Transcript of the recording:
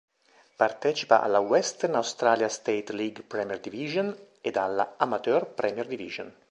Partecipa alla Western Australia State League Premier Division ed alla Amateur Premier Division.